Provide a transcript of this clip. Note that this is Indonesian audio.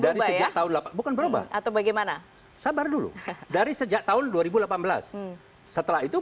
dari sejak tahun delapan bukan berubah atau bagaimana sabar dulu dari sejak tahun dua ribu delapan belas setelah itu